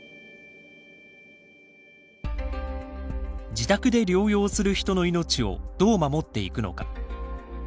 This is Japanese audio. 自宅で療養する人の命をどう守っていくのか。